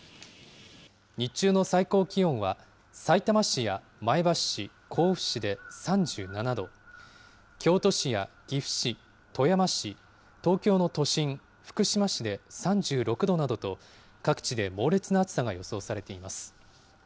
日中の最高気温はさいたま市や前橋市、甲府市で３７度、京都市や岐阜市、富山市、東京の都心、福島市で３６度などと、各地で猛烈な暑さが予想されています。